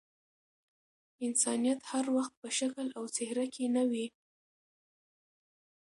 انسانيت هر وخت په شکل او څهره کي نه وي.